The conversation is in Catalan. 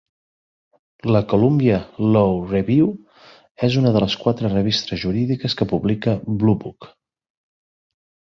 La "Columbia Law Review" és una de les quatre revistes jurídiques que publica "Bluebook".